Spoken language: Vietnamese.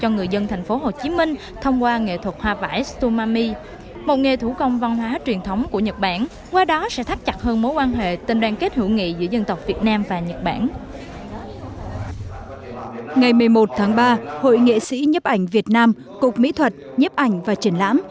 ngày một mươi một tháng ba hội nghệ sĩ nhấp ảnh việt nam cục mỹ thuật nhếp ảnh và triển lãm